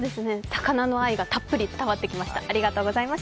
魚の愛がたっぷり伝わってきました。